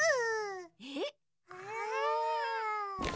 えっ！？